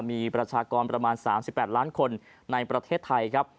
มีประชากรประมาณ๓๘ล้านคนในประเทศไทยครับ